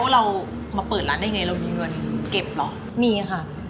เรามีเงินเก็บหรอ